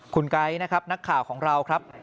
คุณไก๊นะครับนักข่าวของเราครับ